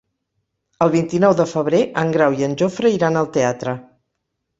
El vint-i-nou de febrer en Grau i en Jofre iran al teatre.